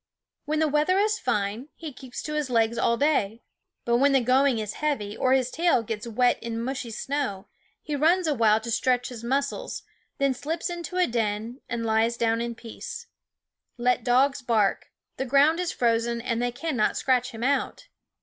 When the weather is fine he keeps to his legs all day ; but when the going is heavy, or his tail gets wet in mushy snow, he runs awhile to stretch his muscles, then slips into a den and lies down in peace. Let dogs bark ; the ground is frozen, and they cannot scratch him out.